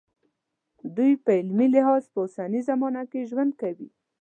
دوی په عملي لحاظ په اوسنۍ زمانه کې ژوند کوي.